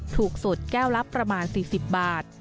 ถูกสุดแก้วละประมาณ๔๐บาท